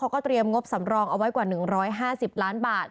เขาก็เตรียมงบสำรองเอาไว้กว่า๑๕๐ล้านบาท